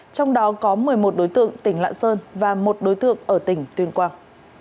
trong đó có một mươi một đối tượng tỉnh lạng sơn và một đối tượng ở tỉnh tuyên quang